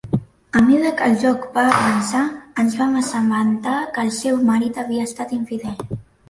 A mida que el joc va avançar, ens vam assabentar que el seu marit havia estat infidel.